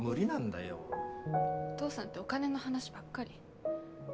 お父さんってお金の話ばっかり。